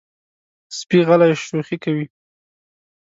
سپي غلی شوخي کوي.